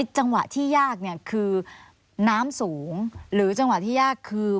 จังหวะที่ยากเนี่ยคือน้ำสูงหรือจังหวะที่ยากคือ